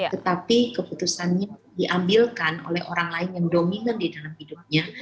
tetapi keputusannya diambilkan oleh orang lain yang dominan di dalam hidupnya